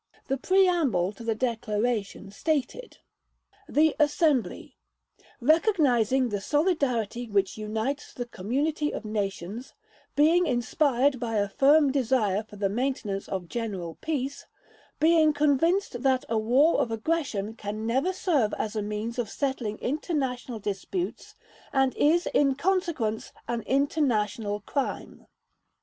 The preamble to the declaration stated: "The Assembly: Recognizing the solidarity which unites the community of nations; Being inspired by a firm desire for the maintenance of general peace; Being convinced that a war of aggression can never serve as a means of settling international disputes, and is in consequence an international crime